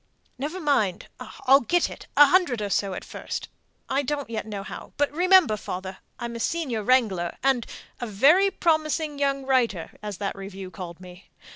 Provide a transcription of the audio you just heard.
"Never mind; I'll get it a hundred or so at first I don't yet know how but remember, father, I'm a senior wrangler, and a 'very promising young writer,' as that review called me.